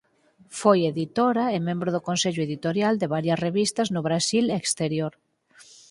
Foi editora e membro do consello editorial de varias revistas no Brasil e Exterior.